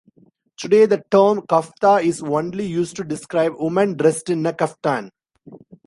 Today the term Kafta is only used to describe women dressed in a Kaftan.